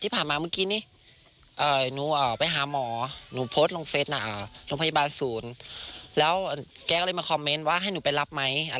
ปากแก๊ก็พูดเก่งกว่าพวกหนูอีก